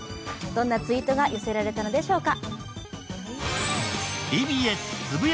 どんなツイートが寄せられたのでしょうか。